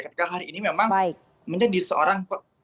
ketika hari ini memang menjadi seorang